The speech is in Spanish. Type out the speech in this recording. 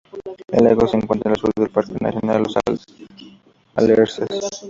El lago se encuentra al sur del Parque Nacional Los Alerces.